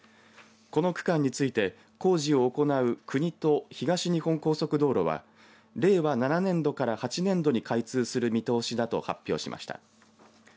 この区間について工事を行う国と東日本高速道路は令和７年度から８年度に開通する見通しだと発表しました。